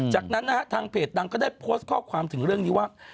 จากนั้นนะฮะทางเพจดังก็ได้โพสต์ข้อความถึงเรื่องนี้ว่า